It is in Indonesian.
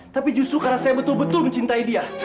tapi justru karena saya betul betul mencintai dia